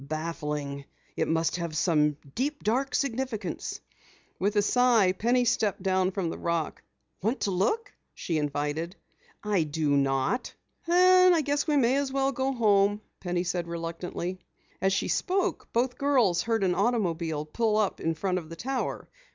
"Baffling! It must have some deep, dark significance." With a sigh, Penny stepped down from the rock. "Want to look?" she invited. "I do not!" "Then I guess we may as well go home," Penny said reluctantly. As she spoke, both girls heard an automobile pull up in front of the tower.